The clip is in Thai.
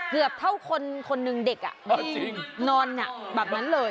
เกือบเท่าคนนึงเด็กนอนแบบนั้นเลย